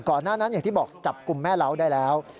หน้านั้นอย่างที่บอกจับกลุ่มแม่เล้าได้แล้ว